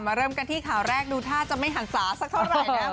มาเริ่มกันที่ข่าวแรกดูถ้าจะไม่หังสาสักเท่าไหร่นะครับ